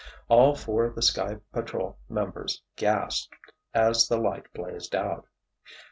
All four of the Sky Patrol members gasped as the light blazed out.